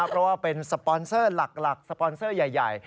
เพราะว่าเป็นสปอนเซอร์หลักสปอนเซอร์ใหญ่